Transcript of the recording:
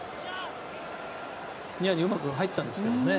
ニアにうまく入ったんですけどね。